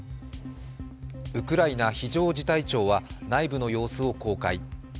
ウクライナ非常事態庁は内部の様子を公開。